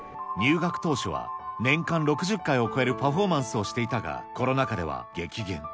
入学当初は年間６０回を超えるパフォーマンスをしていたが、コロナ禍では激減。